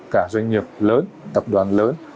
cả doanh nghiệp lớn tập đoàn lớn